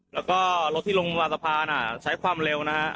แล้วก็รถที่ลงมาสะพานใช้ความเร็วนะฮะ